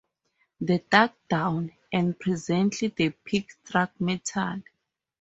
They dug down, and presently the pick struck metal.